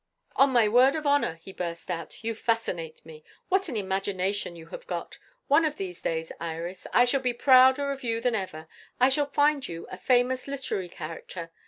"On my word of honour," he burst out, "you fascinate me. What an imagination you have got! One of these days, Iris, I shall be prouder of you than ever; I shall find you a famous literary character.